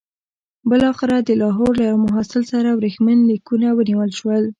بالاخره د لاهور له یوه محصل سره ورېښمین لیکونه ونیول شول.